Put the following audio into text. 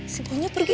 si boynya pergi